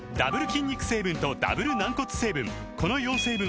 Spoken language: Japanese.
筋肉成分とダブル軟骨成分